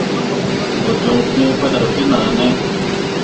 Mo joŋ fĩĩ faɗa tenahne.